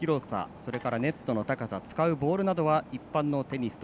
それからネットの高さ使うボールなどは一般のテニスと